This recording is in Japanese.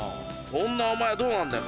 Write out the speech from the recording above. そんなお前はどうなんだよ